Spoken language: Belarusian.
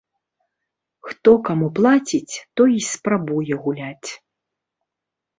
Хто каму плаціць, той і спрабуе гуляць.